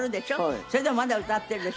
それでもまだ歌ってるでしょ。